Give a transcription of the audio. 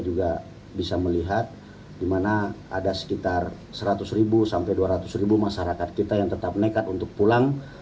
juga bisa melihat di mana ada sekitar seratus ribu sampai dua ratus ribu masyarakat kita yang tetap nekat untuk pulang